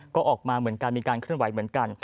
ก็ออกมาเหมือนกันมีการเคลื่อนไหวเหมือนกัน